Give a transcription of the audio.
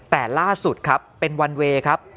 แต่ล่าสุดครับเป็นวันเวย์ครับ